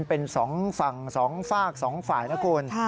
เป็นสองฝั่งสองฝากสองฝ่ายนะคุณ